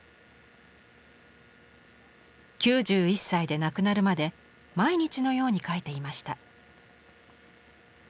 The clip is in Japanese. ９１歳で亡くなるまで毎日のように描いていました。